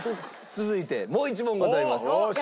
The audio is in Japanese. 続いてもう一問ございます。